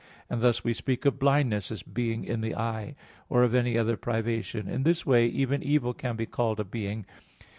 and thus we speak of blindness as being in the eye; or of any other privation. In this way even evil can be called a being.